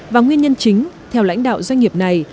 và nguyên nhân chính theo lãnh đạo doanh nghiệp này